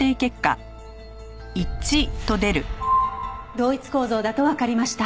同一構造だとわかりました。